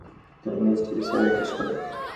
তুমি মিস ডিভাইনের হয়ে কাজ কর?